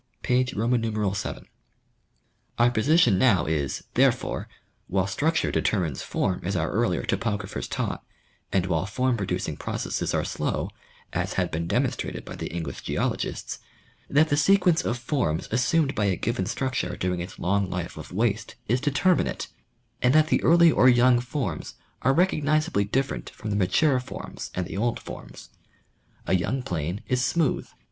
(p. vii.) Our position now is, therefore, while structure determines form as our earlier topographers taught, and while form producing processes are slow, as had been demonstrated by the English geologists, that the sequence of forms assumed by a given struct iire during its long life of waste is determinate, and that the early or young forms are recognizably different from the mature forms and the old forms. A youn^ plain is smooth.